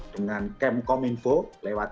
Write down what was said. dengan kemkominfo lewat